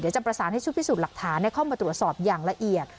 จะประสานให้ชุดพิสูจน์หลักฐานเข้ามาตรวจสอบอย่างละเอียด